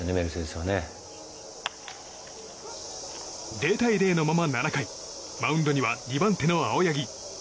０対０のまま７回マウンドには２番手の青柳。